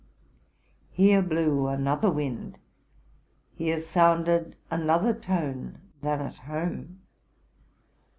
Here blew another wind, here sounded another tone, than at home.